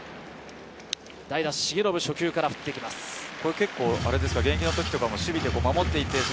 代打・重信、初球から振っていきます。